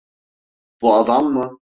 Bu adam mı?